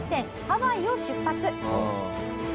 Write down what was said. ハワイを出発。